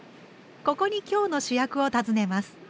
ここに今日の主役を訪ねます。